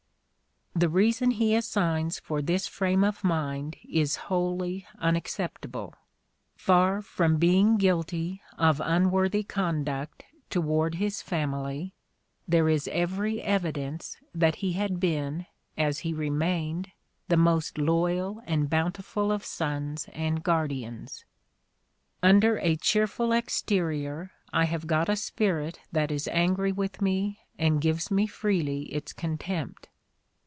The reason he assigns for this frame of mind is wholly unacceptable: far from being guilty of "unworthy conduct" toward his family, there is every evidence that he had been, as he remained, the most loyal and bountiful of sons and guardians. "Under a cheerful exterior I have got a spirit that is angry with me and gives me freely its contempt.